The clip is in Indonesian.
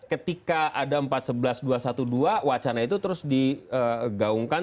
ketika ada empat sebelas dua ratus dua belas wacana itu terus digaungkan